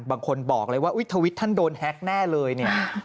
บางคนบอกเลยว่าอุ๊ยทวิตท่านโดนแฮ็กแน่เลยเนี่ย